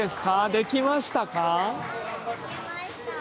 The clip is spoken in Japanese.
できましたか？